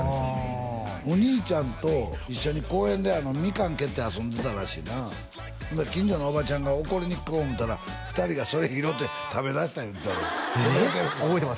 あお兄ちゃんと一緒に公園でみかん蹴って遊んでたらしいなほんで近所のおばちゃんが怒りに行こう思ったら２人がそれ拾って食べだした言うてたわ覚えてる？